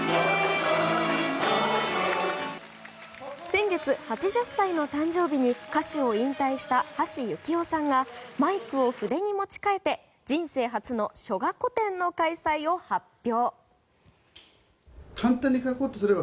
先月、８０歳の誕生日に歌手を引退した橋幸夫さんがマイクを筆に持ち替えて人生初の書画個展の開催を発表。